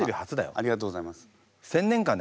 ありがとうございます。